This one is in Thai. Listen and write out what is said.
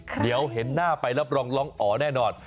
เดี๋ยวเห็นหน้าไปแล้วลองอ๋อแน่นอน